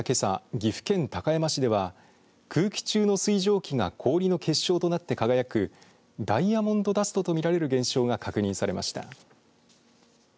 岐阜県高山市では空気中の水蒸気が氷の結晶となって輝くダイヤモンドダストと見られる現象が確認されました。